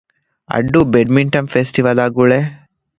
އައްޑޫ ބެޑްމިންޓަން ފެސްޓިވަލާގުޅޭ